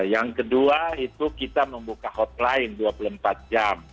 yang kedua itu kita membuka hotline dua puluh empat jam